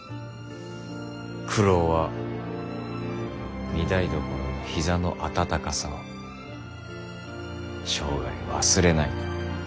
九郎は御台所の膝の温かさを生涯忘れないと。